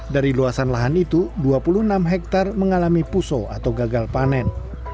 dari luasan lahan itu dua puluh enam hektare mengalami puso atau gagal panen